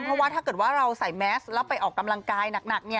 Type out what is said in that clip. เพราะว่าถ้าเกิดว่าเราใส่แมสแล้วไปออกกำลังกายหนัก